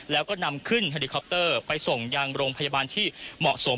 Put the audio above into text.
แล้วก็นำขึ้นเฮลิคอปเตอร์ไปส่งยังโรงพยาบาลที่เหมาะสม